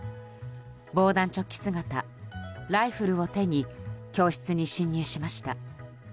防弾チョッキ姿、ライフルを手に教室に侵入しました。